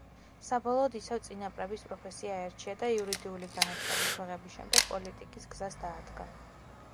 საბოლოოდ ისევ წინაპრების პროფესია აირჩია და იურიდიული განათლების მიღების შემდეგ პოლიტიკის გზას დაადგა.